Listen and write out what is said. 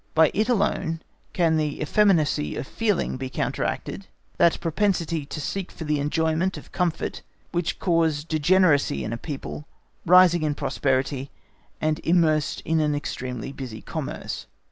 By it alone can that effeminacy of feeling be counteracted, that propensity to seek for the enjoyment of comfort, which cause degeneracy in a people rising in prosperity and immersed in an extremely busy commerce.